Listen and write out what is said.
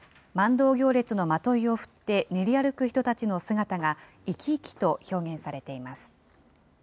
万燈行列のまといを振って練り歩く人たちの姿が、生き生きと表現されています。